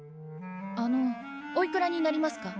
あのお幾らになりますか？